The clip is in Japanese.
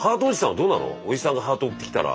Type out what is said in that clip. おじさんがハート送ってきたら。